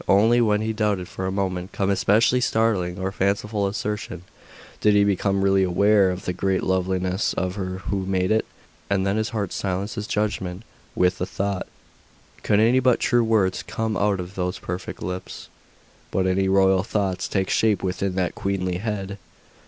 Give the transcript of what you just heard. Only when he doubted for a moment some especially startling or fanciful assertion, did he become really aware of the great loveliness of her who made it; and then his heart silenced his judgment with the thought Could any but true words come out of those perfect lips? any but royal thoughts take shape within that queenly head?....